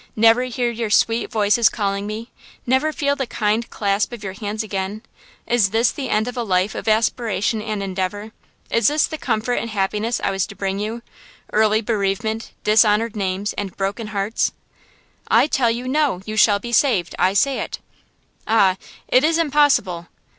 Never hear your sweet voices calling me? Never feel the kind clasp of your hands again? Is this the end of a life of aspiration and endeavor? Is this the comfort and happiness I was to bring you?–early bereavement, dishonored names and broken hearts?" "I tell you, no! You shall be saved! I say it!" "Ah, it is impossible."